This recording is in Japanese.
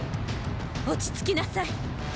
落ち着きなさい。